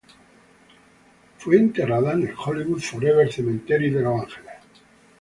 Fue enterrada en el Hollywood Forever Cemetery de Los Ángeles.